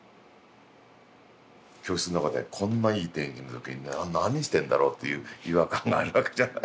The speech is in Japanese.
教室の中でこんないい天気の時に何してんだろうっていう違和感があるわけじゃない。